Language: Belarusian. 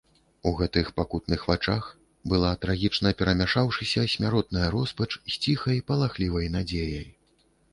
У гэтых пакутных вачах была трагічна перамяшаўшыся смяротная роспач з ціхай палахлівай надзеяй.